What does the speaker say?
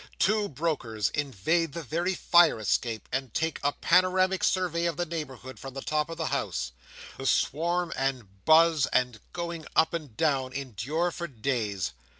Two brokers invade the very fire escape, and take a panoramic survey of the neighbourhood from the top of the house. The swarm and buzz, and going up and down, endure for days.